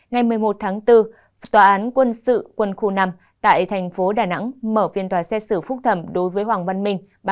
ngày một mươi một tháng bốn tòa án quân sự quân khu năm tại thành phố đà nẵng mở phiên tòa xét xử phúc thẩm đối với hoàng văn minh